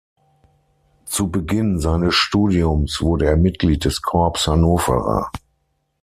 Zu Beginn seines Studiums wurde er Mitglied des Corps Hannovera.